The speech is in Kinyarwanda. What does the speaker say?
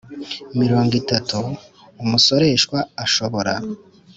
mirongo itatu Umusoreshwa ashobora